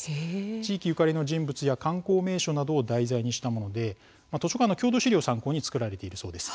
地域ゆかりの人物や観光名所などを題材にしたもので図書館の郷土資料を参考に作られたものです。